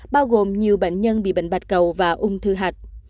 bao gồm nhiều bệnh nhân bị bệnh bạch cầu và ung thư hạch